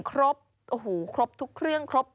ครบโอ้โหครบทุกเครื่องครบ